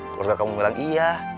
keluarga kamu bilang iya